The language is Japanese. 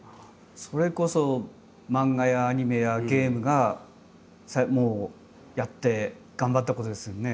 それこそ漫画やアニメやゲームがやって頑張ったことですよね。